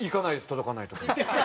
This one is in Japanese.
届かない所。